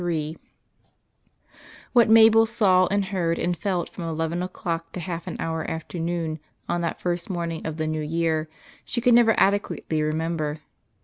III What Mabel saw and heard and felt from eleven o'clock to half an hour after noon on that first morning of the New Year she could never adequately remember.